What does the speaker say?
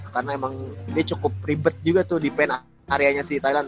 karena emang dia cukup ribet juga tuh di paint area nya si thailand